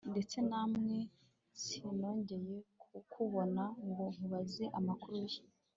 ndetse nawe sinongeye kukubona ngo nkubaze amakuru ye